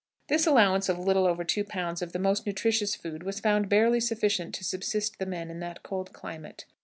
This allowance of a little over two pounds of the most nutritious food was found barely sufficient to subsist the men in that cold climate.